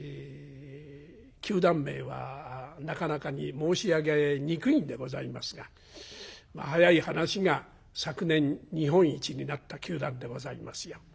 球団名はなかなかに申し上げにくいんでございますが早い話が昨年日本一になった球団でございますよ。